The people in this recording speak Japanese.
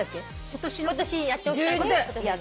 今年中にやっておきたいこと。